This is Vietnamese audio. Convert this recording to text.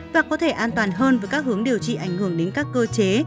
và có thể an toàn hơn với các hướng điều trị ảnh hưởng đến các cơ chế